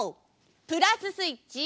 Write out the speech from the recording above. プラススイッチオン！